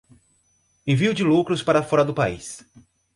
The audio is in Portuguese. envio de lucros para fora do país